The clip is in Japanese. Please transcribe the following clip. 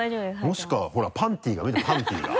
もしくはほらパンティーが見えちゃうパンティーが。